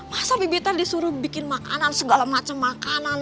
masa bebi tadi disuruh bikin makanan segala macam makanan